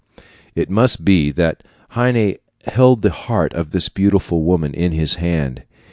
It must be that Heine held the heart of this beautiful woman in his hand.